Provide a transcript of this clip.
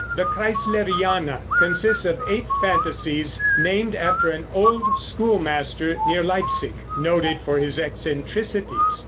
The "Kreisleriana" consists of eight fantasies named after an old schoolmaster near Leipsic, noted for his eccentricities.